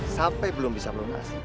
sampai belum bisa melunasi